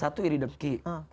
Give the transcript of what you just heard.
satu iri demki